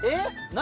何？